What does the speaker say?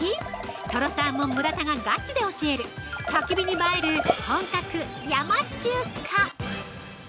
とろサーモン村田がガチで教える焚き火に映える本格山中華。